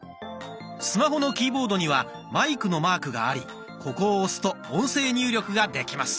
スマホのキーボードにはマイクのマークがありここを押すと音声入力ができます。